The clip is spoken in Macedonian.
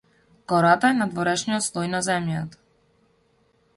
Кората е надворешниот слој на земјата.